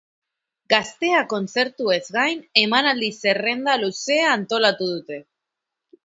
Gaztea kontzertuez gain, emanaldi zerrenda luzea antolatu dute.